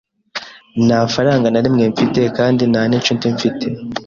Nta faranga na rimwe mfite kandi nta n'inshuti mfite.